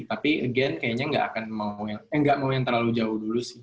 tapi again kayaknya nggak mau yang terlalu jauh dulu sih